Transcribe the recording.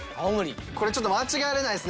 これちょっと間違えられないですね。